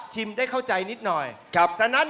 ชิมได้เข้าใจนิดหน่อย